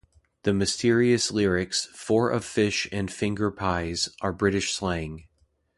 The mysterious lyrics "Four of fish and finger pies" are British slang.